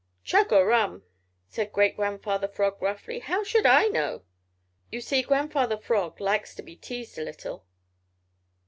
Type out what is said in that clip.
"Chug a rum," said Great Grandfather Frog, gruffly, "how should I know?" You see, Grandfather Frog likes to be teased a little.